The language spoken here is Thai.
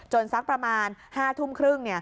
สักประมาณ๕ทุ่มครึ่ง